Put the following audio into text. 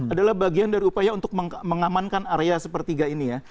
adalah bagian dari upaya untuk mengamankan area sepertiga ini ya